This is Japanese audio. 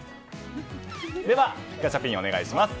では、ガチャピンお願いします。